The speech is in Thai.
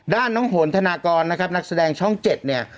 ด้านน้องโหนธนากรนะครับนักแสดงช่อง๗เนี่ย